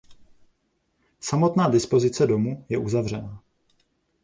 Samotná dispozice domu je uzavřená.